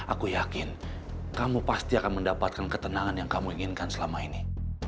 aku yakin kamu pasti akan mendapatkan ketenangan yang kamu inginkan selama ini